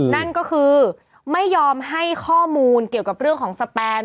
นั่นก็คือไม่ยอมให้ข้อมูลเกี่ยวกับเรื่องของสแปม